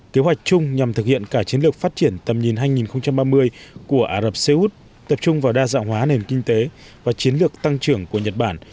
kế hoạch chung nhằm thực hiện cả chiến lược phát triển tầm nhìn hai nghìn ba mươi của ả rập xê út tập trung vào đa dạng hóa nền kinh tế và chiến lược tăng trưởng của nhật bản